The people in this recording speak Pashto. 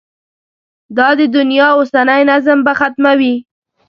دا د دنیا اوسنی نظم به ختموي.